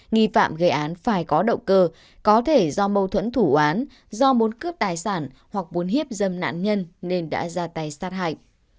nghi phạm gây án phải có động cơ có thể do mâu thuẫn thủ án do muốn cướp tài sản hoặc muốn hiếp dâm nạn nhân nên đã ra tay sát hại